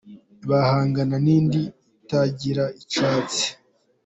Bahanga n’indi itagira icyasha